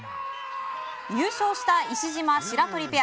優勝した石島、白鳥ペア。